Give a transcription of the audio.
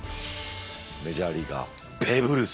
メジャーリーガーベーブ・ルース。